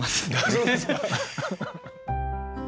そうですか！